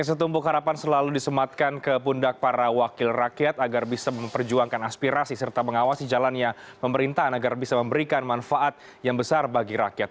setumbuh harapan selalu disematkan ke pundak para wakil rakyat agar bisa memperjuangkan aspirasi serta mengawasi jalannya pemerintahan agar bisa memberikan manfaat yang besar bagi rakyat